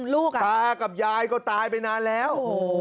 ลูกอ่ะตากับยายก็ตายไปนานแล้ว